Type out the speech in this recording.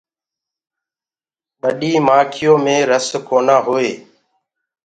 ٻڏي مآکيو مي رس کونآ هوئي۔